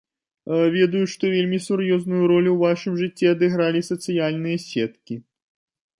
Ведаю, што вельмі сур'ёзную ролю ў вашым жыцці адыгралі сацыяльныя сеткі.